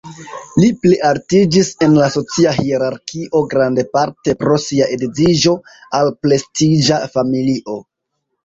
Li plialtiĝis en la socia hierarkio grandparte pro sia edziĝo al prestiĝa familio.